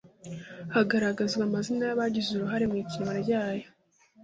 hagaragazwa amazina y’abagize uruhare mu ikinwa ryayo